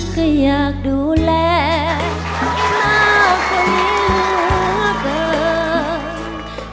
ก็อยากดูแลมากกว่านี้หัวเกิน